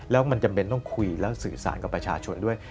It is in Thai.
แล้วมันจำเป็นต้องคุยแล้วสื่อสารกับประชาชนด้วย